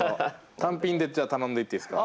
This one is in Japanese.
単品でじゃあ頼んでいっていいですか。